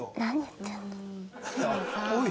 おい！